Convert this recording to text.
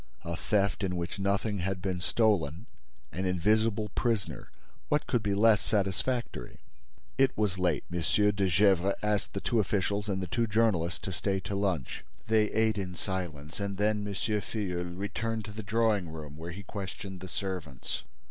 A theft in which nothing had been stolen; an invisible prisoner: what could be less satisfactory? It was late. M. de Gesvres asked the officials and the two journalists to stay to lunch. They ate in silence and then M. Filleul returned to the drawing room, where he questioned the servants.